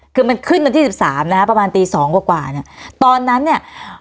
คือมันขึ้นวันที่สิบสามนะฮะประมาณตีสองกว่ากว่าเนี่ยตอนนั้นเนี่ย